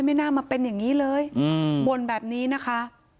ไม่น่ามาเป็นอย่างนี้เลยบ่นแบบนี้นะคะ